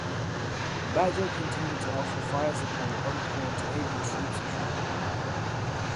"Badger" continued to offer fire support on call to aid the troops ashore.